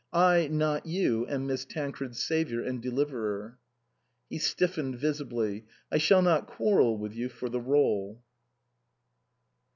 I, not you, am Miss Tancred's saviour and deliverer." He stiffened visibly. " I shall not quarrel with you for the rdle."